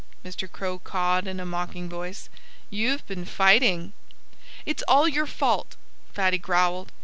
Mr. Crow cawed in a mocking voice. "You've been fighting." "It's all your fault," Fatty growled.